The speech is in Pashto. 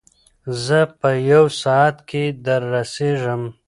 زه په یو ساعت کې در رسېږم.